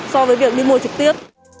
so với việc đi mua trực tiếp